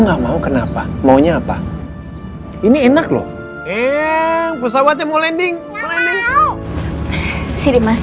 nggak mau kenapa maunya apa ini enak loh eh pesawatnya mau landing mau landing siripsi